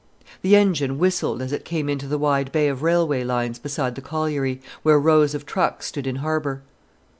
The engine whistled as it came into the wide bay of railway lines beside the colliery, where rows of trucks stood in harbour.